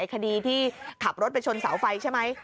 คดีที่ขับรถไปชนเสาไฟใช่ไหม